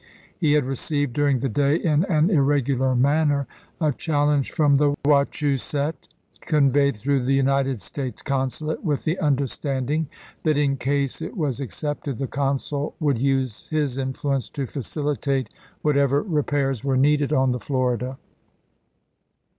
He had received during the day, in an irregular manner, a challenge from the Wachusett, conveyed through the United States consulate, with the understanding that in case it was accepted the consul would use his influence to facilitate whatever repairs were needed on the Florida.